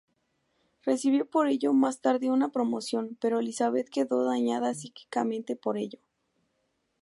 Recibió por ello más tarde una promoción, pero Elizabeth quedó dañada psíquicamente por ello.